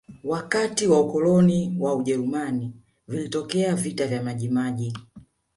wakati wa ukoloni wa ujerumani vilitokea vita vya majimaji